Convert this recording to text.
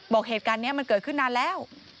บอกเหตุการณ์นี้มันเกิดขึ้นนานแล้ว